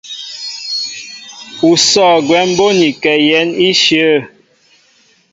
Ú sɔ̂ gwɛm bónikɛ yɛ̌n íshyə̂.